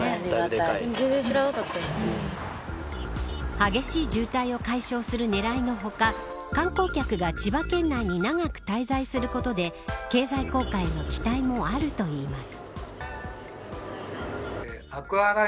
激しい渋滞を解消する狙いの他観光客が千葉県内に長く滞在することで経済効果への期待もあるといいます。